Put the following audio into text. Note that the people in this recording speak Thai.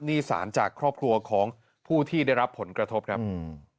สารจากครอบครัวของผู้ที่ได้รับผลกระทบครับอืม